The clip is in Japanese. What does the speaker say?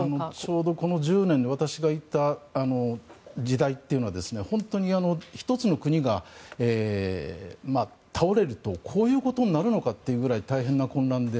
ちょうどこの１０年私が行った時代というのは本当に１つの国が倒れるとこういうことになるのかっていうぐらい大変な混乱で。